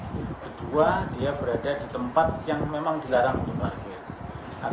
kedua dia berada di tempat yang memang dilarang untuk warga